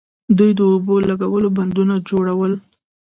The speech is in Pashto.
دوی د اوبو لګولو بندونه جوړول